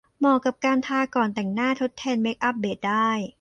เหมาะกับการทาก่อนแต่งหน้าทดแทนเมคอัพเบสได้